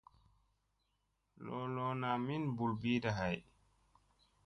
Loloona min mɓul ɓiiɗa hay.